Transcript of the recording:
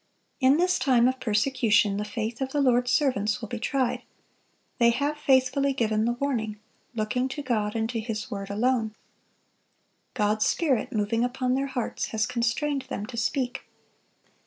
In this time of persecution the faith of the Lord's servants will be tried. They have faithfully given the warning, looking to God and to His word alone. God's Spirit, moving upon their hearts, has constrained them to speak.